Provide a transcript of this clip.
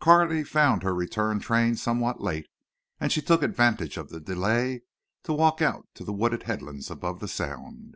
Carley found her return train somewhat late, and she took advantage of the delay to walk out to the wooded headlands above the Sound.